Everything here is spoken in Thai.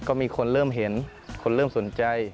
ก็มีคนเริ่มเห็นคนเริ่มสนใจ